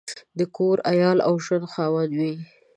د کور، عیال او ژوند خاوند وي.